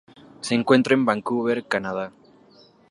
Se encuentra en Vancouver, Canadá.